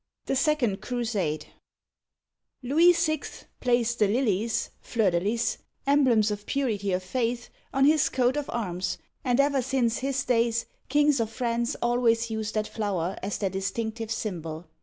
THE SECOND CRUSADE LOUIS VL placed the lilies {fleurs de //j) —emblems of purity of faith — on his coat of arms, and ever since his day, kings of France always used that flower as their distinctive symbol.